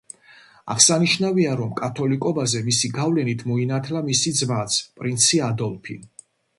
აღსანიშნავია, რომ კათოლიკობაზე მისი გავლენით მოინათლა მისი ძმაც, პრინცი ადოლფი.